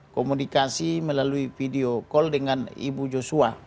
komunikasi melalui video call dengan ibu joshua